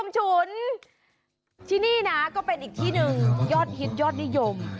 ฉุนที่นี่นะก็เป็นอีกที่หนึ่งยอดฮิตยอดนิยม